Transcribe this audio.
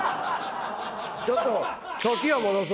ちょっと。